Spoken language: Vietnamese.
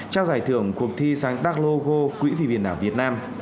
trao giải thưởng cuộc thi sáng đắc logo quỹ vì biển đảo việt nam